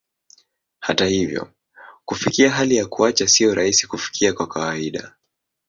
Hata hivyo, kufikia hali ya kuacha sio rahisi kufikia kwa kawaida.